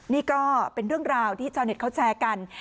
นี่ก็เป็นเรื่องราวที่ชาวเน็ตเขาแชร์กัน